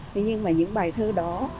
thế nhưng mà những bài thơ đó